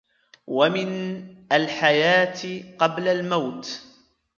وَمِنْ الْحَيَاةِ قَبْلَ الْمَوْتِ